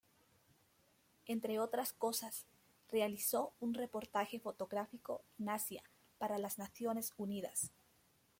Entre otras cosas, realizó un reportaje fotográfico en Asia para las Naciones Unidas.